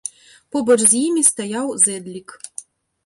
Побач з імі стаяў зэдлік.